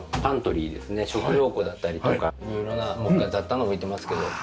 食料庫だったりとかいろいろな他雑多な物を置いてますけど。